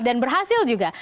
dan berhasil juga